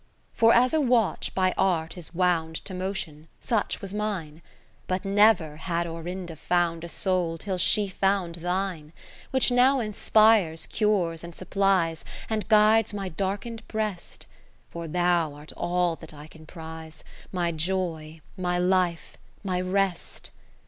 For as a watch by art is wound To motion, such was mine : 10 But never had Orinda found A soul till she found thine ; Which now inspires, cures and supplies. And guides my darkened breast : For thou art all that I can prize. My Joy, my Life, my Rest.